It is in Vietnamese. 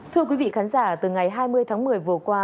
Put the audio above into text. thưa quý vị khán giả từ ngày hai mươi tháng một mươi vừa qua